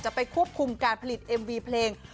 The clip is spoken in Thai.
ไปควบคุมการผลิตเอ็มวีเพลง